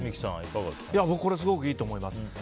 これ、すごくいいと思います。